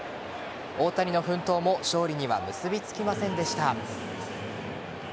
大谷の奮闘も勝利には結びつきませんでした。